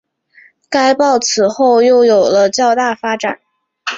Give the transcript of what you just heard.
该报此后又有了较大发展。